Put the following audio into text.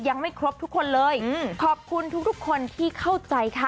ยังไม่ครบทุกคนเลยขอบคุณทุกทุกคนที่เข้าใจค่ะ